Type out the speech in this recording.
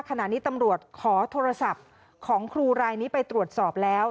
ขณะนี้ตำรวจขอโทรศัพท์ของครูรายนี้ไปตรวจสอบแล้ว